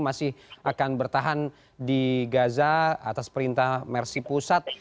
masih akan bertahan di gaza atas perintah mersi pusat